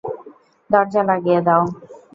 দরজা লাগিয়ে দাও।